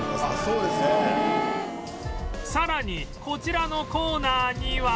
さらにこちらのコーナーには